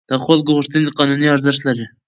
د خلکو غوښتنې قانوني ارزښت لري.